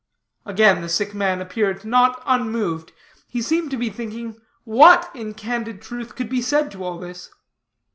Again, the sick man appeared not unmoved. He seemed to be thinking what in candid truth could be said to all this.